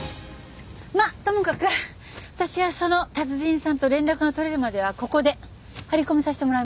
まあともかく私はその達人さんと連絡が取れるまではここで張り込みさせてもらいますから。